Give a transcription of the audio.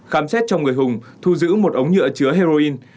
khám xét trong người hùng thu giữ một ống nhựa chứa heroin